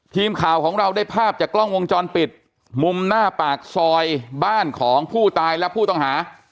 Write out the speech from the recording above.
ทีมข่าวของเราได้ภาพจากกล้องวงจรปิดมุมหน้าปากซอยบ้านของผู้ตายและผู้ต้องหา